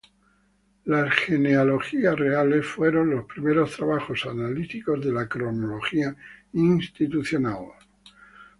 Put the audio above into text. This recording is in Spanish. Las genealogías reales fueron los primeros trabajos analíticos de la cronología institucional.